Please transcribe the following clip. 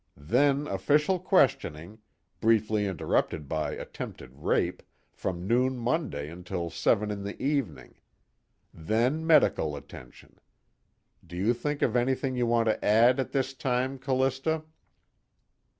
Then official questioning, briefly interrupted by attempted rape, from noon Monday until seven in the evening. Then medical attention. Do you think of anything you want to add at this time, Callista?"